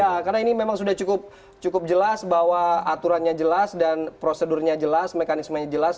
ya karena ini memang sudah cukup jelas bahwa aturannya jelas dan prosedurnya jelas mekanismenya jelas